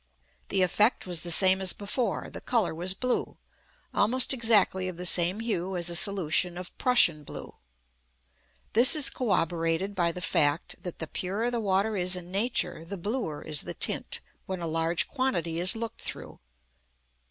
The effect was the same as before, the colour was blue, almost exactly of the same hue as a solution of Prussian blue. This is corroborated by the fact that, the purer the water is in nature, the bluer is the tint when a large quantity is looked through.